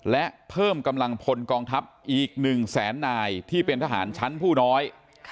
และเพิ่มกำลังพลกองทัพอีก๑แสนนายที่เป็นทหารชั้นผู้น้อย